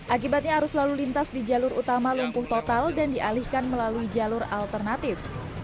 akibatnya arus lalu lintas di jalur utama lumpuh total dan dialihkan melalui jalur alternatif